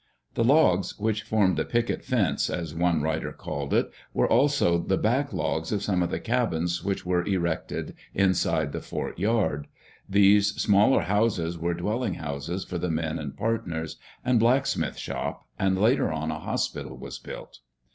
The logs which formed the " picket fence/' as one writer called it, were also the back logs of some of the cabins which were erected inside the fort yard. These smaller houses were dwelling houses for the men and partners, and blacksmith shop, and later on a hospital was built.